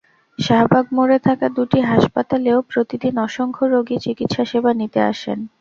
শাহবাগ মোড়ে থাকা দুটি হাসপাতালেও প্রতিদিন অসংখ্য রোগী চিকিত্সাসেবা নিতে আসেন।